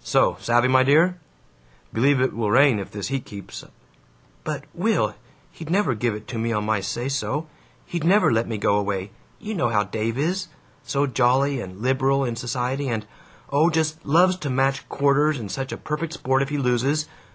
So, savvy, my dear? Believe it will rain if this heat keeps " "But, Will, he'd never give it to me on my say so. He'd never let me go away. You know how Dave is: so jolly and liberal in society, and oh, just LOVES to match quarters, and such a perfect sport if he loses!